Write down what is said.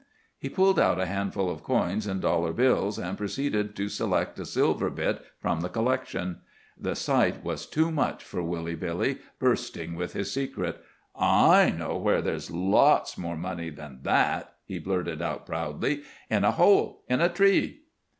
He pulled out a handful of coins and dollar bills, and proceeded to select a silver bit from the collection. The sight was too much for Woolly Billy, bursting with his secret. "I know where there's lots more money like that," he blurted out proudly, "in a hole in a tree."